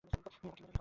তুমি এখন কি করছো?